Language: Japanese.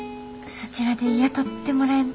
そちらで雇ってもらえ。